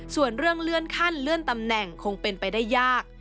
ส่วนเรื่องเลื่อนขั้นเลื่อนตำแหน่งคงเป็นไปได้ยาก